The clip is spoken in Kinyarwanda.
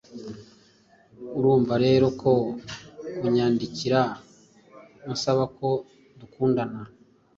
Urumva rero ko kunyandikira ansaba ko dukundana